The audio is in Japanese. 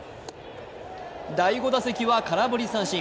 第５打席は空振り三振。